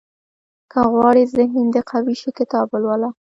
• که غواړې ذهن دې قوي شي، کتاب ولوله.